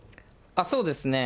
そうですね。